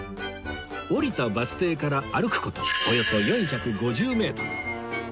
降りたバス停から歩く事およそ４５０メートル